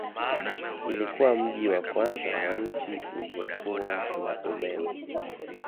Ilikuwa mji wa kwanza wa nchi uliokuwa na umeme.